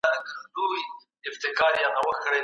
مهمه اصطلاح د پروسې څخه عبارت ده.